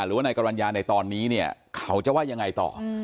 หรือว่านายกรรณญาในตอนนี้เนี่ยเขาจะว่ายังไงต่อ